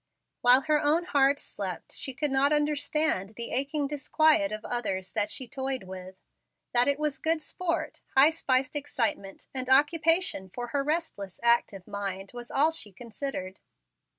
While her own heart slept, she could not understand the aching disquiet of others that she toyed with. That it was good sport, high spiced excitement, and occupation for her restless, active mind, was all she considered.